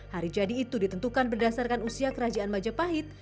hari jadi itu ditentukan berdasarkan usia kerajaan majapahit